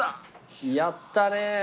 やったね。